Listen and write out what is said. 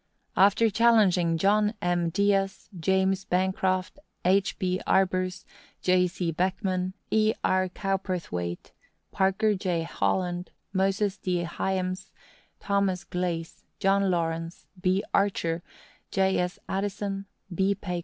After challenging John M. Deas, James Bancroft, H. F. Harbers, C. J. Beckman, E. R. Cowperthwaite, Parker J. Holland, Moses D. Hyams, Thomas Glaze, John Lawrence, B. Archer, J. S. Addison, B. P.